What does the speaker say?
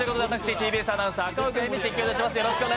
ＴＢＳアナウンサー・赤荻歩、実況いたします。